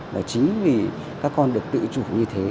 và chính vì các con được tự chủ như thế